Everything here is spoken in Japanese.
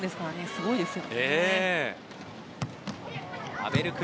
すごいですよね。